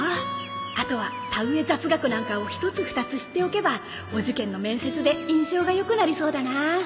あとは田植え雑学なんかを１つ２つ知っておけばお受験の面接で印象が良くなりそうだな